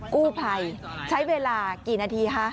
กู้ภัยใช้เวลากี่นาทีคะ